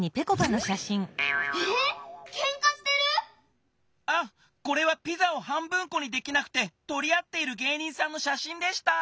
ええっけんかしてる⁉あこれはピザを半分こにできなくてとりあっている芸人さんのしゃしんでした！